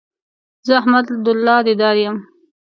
زه احمد الله ديدار يم